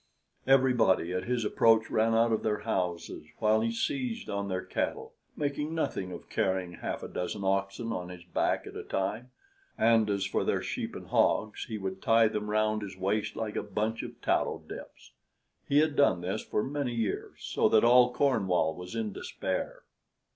Everybody at his approach ran out of their houses, while he seized on their cattle, making nothing of carrying half a dozen oxen on his back at a time; and as for their sheep and hogs, he would tie them round his waist like a bunch of tallow dips. He had done this for many years, so that all Cornwall was in despair.